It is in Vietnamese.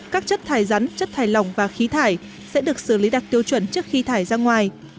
các chất thải rắn chất thải lỏng và khí thải sẽ được xử lý đặt tiêu chuẩn trước khi thải ra ngoài